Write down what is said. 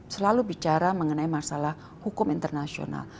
selalu bicara mengenai masalah hukum internasional